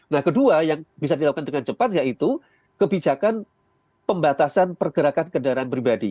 nah kedua yang bisa dilakukan dengan cepat yaitu kebijakan pembatasan pergerakan kendaraan pribadi